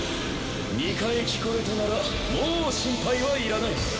２回聞こえたならもう心配はいらない！